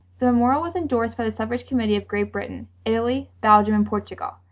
The memorial was endorsed by the suffrage committee of Great Britain, Italy, Belgium, and Portugal.